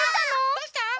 どうしたの？